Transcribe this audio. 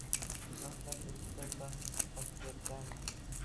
G’aflat uyqusida dong qotib yotgan